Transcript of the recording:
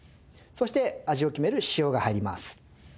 そして味を決める塩が入ります。